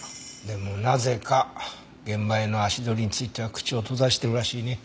でもなぜか現場への足取りについては口を閉ざしてるらしいね。